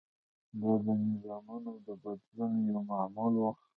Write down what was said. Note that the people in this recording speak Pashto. دا د نظامونو د بدلون یو معمول و.